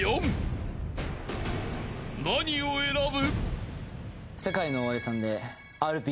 ［何を選ぶ？］